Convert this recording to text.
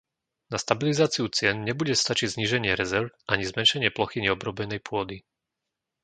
Na stabilizáciu cien nebude stačiť zníženie rezerv ani zmenšenie plochy neobrobenej pôdy.